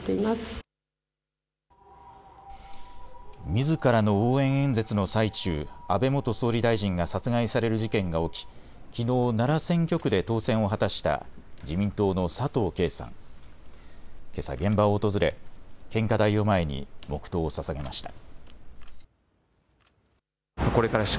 みずからの応援演説の最中、安倍元総理大臣が殺害される事件が起き、きのう奈良選挙区で当選を果たした自民党の佐藤啓さん。けさ現場を訪れ献花台を前に黙とうをささげました。